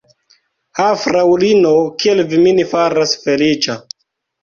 Ha, fraŭlino, kiel vi min faras feliĉa!